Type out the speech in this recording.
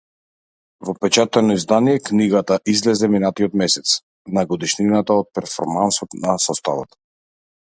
Во печатено издание книгата излезе минатиот месец, на годишнината од перформансот на составот.